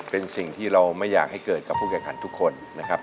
เป็นสิ่งที่เราไม่อยากให้เกิดกับผู้แข่งขันทุกคนนะครับ